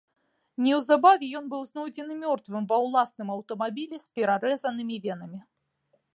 Неўзабаве ён быў знойдзены мёртвым ва ўласным аўтамабілі з перарэзанымі венамі.